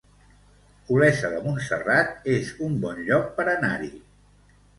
Olesa de Montserrat es un bon lloc per anar-hi